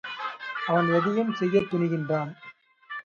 அவன் எதையும் செய்யத் துணிகின்றான்.